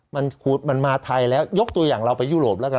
มันมาไทยแล้วยกตัวอย่างเราไปยุโรปแล้วกัน